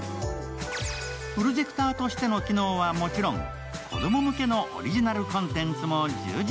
プロジェクターとしての機能はもちろん、子ども向けのオリジナルコンテンツも充実。